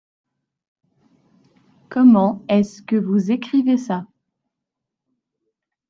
Comment est-ce que vous écrivez ça ?